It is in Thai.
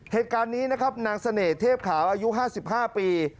เหตุการณ์นี้นะครับนางเสน่หเทพขาวอายุ๕๕ปี